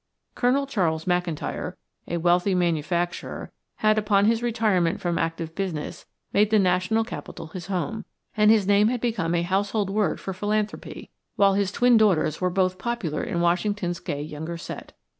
Colonel Charles McIntyre, a wealthy manufacturer, had, upon his retirement from active business, made the National Capital his home, and his name had become a household word for philanthropy, while his twin daughters were both popular in Washington's gay younger set.